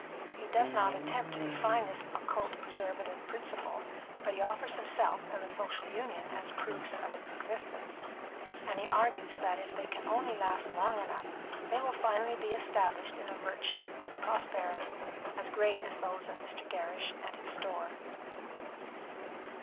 He does not attempt to define this occult preservative principle, but he offers himself and the Social Union as proofs of its existence; and he argues that if they can only last long enough they will finally be established in a virtue and prosperity as great as those of Mr. Gerrish and his store.